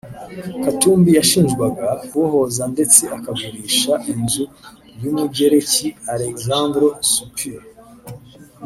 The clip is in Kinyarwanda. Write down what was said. Katumbi yashinjwaga kubohoza ndetse akagurisha inzu y’umugereki Alexandros Stoupis